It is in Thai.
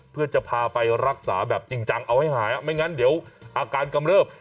เพื่อจะพาไปรักษาแบบจริงจังเอาให้หายไม่งั้นเดี๋ยวอาการกำเริบ